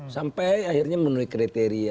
sampai akhirnya memenuhi kriteria